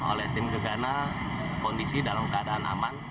oleh tim gegana kondisi dalam keadaan aman